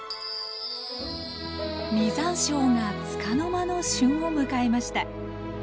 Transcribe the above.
実山椒がつかの間の旬を迎えました。